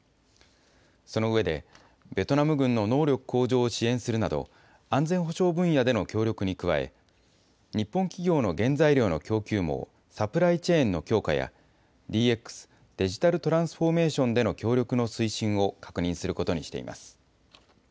その上で、ベトナム軍の能力向上を支援するなど、安全保障分野での協力に加え、日本企業の原材料の供給網・サプライチェーンの強化や、ＤＸ・デジタルトランスフォーメーションでの協力の推進を確認することにしています。